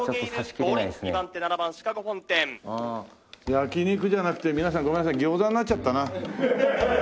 焼き肉じゃなくて皆さんごめんなさいギョーザになっちゃったな。